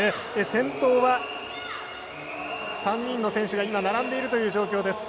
先頭は、３人の選手が今、並んでいるという状況です。